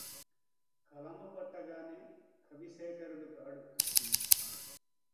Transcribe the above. కలము పట్టగానె కవిశేఖరుడు గాడు